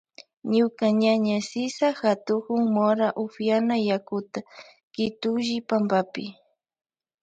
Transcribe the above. Ñuka ñaña Sisa katukun mora upyan yakuta kitulli pampapi.